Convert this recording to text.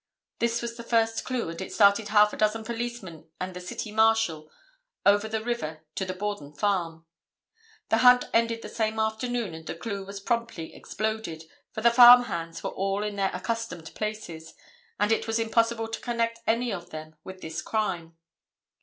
This was the first clue, and it started half a dozen policemen and the City Marshal over the river to the Borden farm. The hunt ended the same afternoon and the clue was promptly exploded, for the farm hands were all in their accustomed places, and it was impossible to connect any of them with this crime.